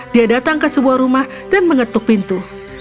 dia datang ke sebuah rumah dan mengetuk pintu